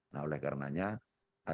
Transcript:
nah oleh karenanya